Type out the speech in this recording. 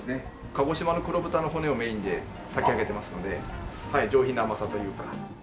鹿児島の黒豚の骨をメインでたき上げてますので上品な甘さというか。